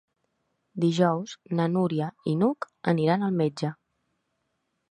Dijous na Núria i n'Hug aniran al metge.